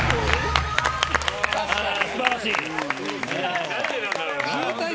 素晴らしい！